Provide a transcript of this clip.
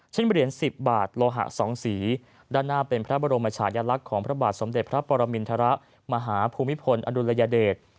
เหรียญ๑๐บาทโลหะ๒สีด้านหน้าเป็นพระบรมชายลักษณ์ของพระบาทสมเด็จพระปรมินทรมาหาภูมิพลอดุลยเดช